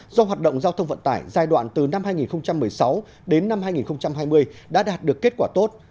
do hoạt động giao thông vận tải giai đoạn từ năm hai nghìn một mươi sáu đến năm hai nghìn hai mươi đã đạt được kết quả tốt